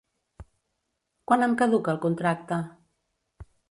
Quan em caduca el contracte?